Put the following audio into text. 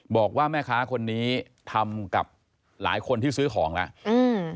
บอกว่าแม่ค้าคนนี้ทำกับหลายคนที่ซื้อของแล้วอืม